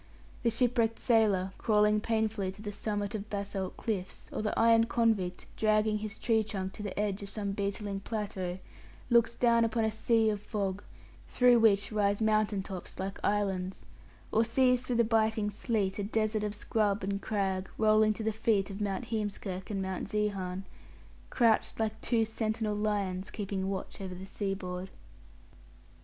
The shipwrecked sailor, crawling painfully to the summit of basalt cliffs, or the ironed convict, dragging his tree trunk to the edge of some beetling plateau, looks down upon a sea of fog, through which rise mountain tops like islands; or sees through the biting sleet a desert of scrub and crag rolling to the feet of Mount Heemskirk and Mount Zeehan crouched like two sentinel lions keeping watch over the seaboard.